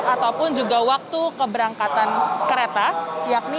ataupun juga waktu keberangkatan kereta yakni di kisaran tiga sampai lima menit